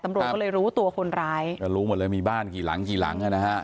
ตำรวจก็เลยรู้ตัวคนร้ายก็รู้หมดเลยมีบ้านกี่หลังกี่หลังอ่ะนะฮะ